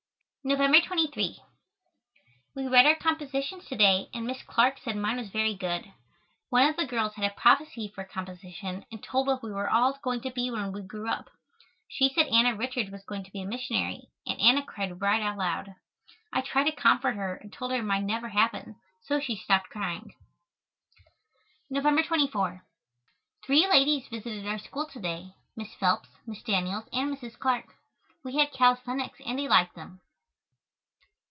November 23. We read our compositions to day and Miss Clark said mine was very good. One of the girls had a Prophecy for a composition and told what we were all going to be when we grew up. She said Anna Richards was going to be a missionary and Anna cried right out loud. I tried to comfort her and told her it might never happen, so she stopped crying. November 24. Three ladies visited our school to day, Miss Phelps, Miss Daniels and Mrs. Clark. We had calisthenics and they liked them.